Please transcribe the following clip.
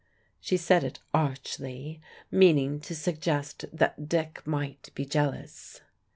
She said it archly, meaning to suggest that Dick might be jealous.